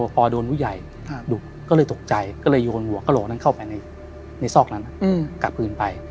พี่ฉีกก็เลยเค้าเป็นเด็กเ